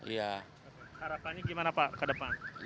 harapannya gimana pak ke depan